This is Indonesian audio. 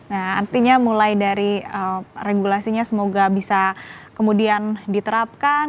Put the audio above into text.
nah artinya mulai dari regulasinya semoga bisa kemudian diterapkan